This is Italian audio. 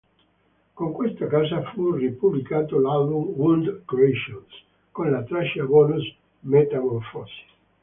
Con questa casa fu ripubblicato l'album Wound Creations con la traccia bonus "Metamorphosis".